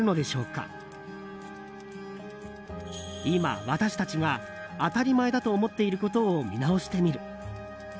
今、私たちが当たり前だと思っていることを見直してみる。